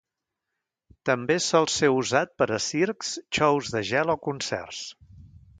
També sol ser usat per a circs, xous de gel o concerts.